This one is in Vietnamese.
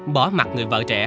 bỏ mặt người vợ trẻ